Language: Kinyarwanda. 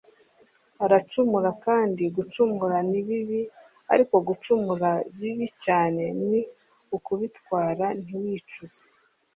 aracumura kandi gucumura ni bibi ariko gucumura bibi cyane ni ukubitwara ntiwicuze